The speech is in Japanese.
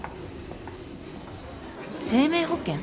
生命保険？